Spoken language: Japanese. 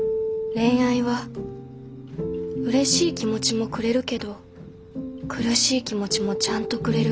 恋愛はうれしい気持ちもくれるけど苦しい気持ちもちゃんとくれる。